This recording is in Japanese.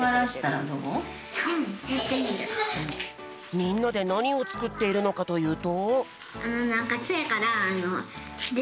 みんなでなにをつくっているのかというと。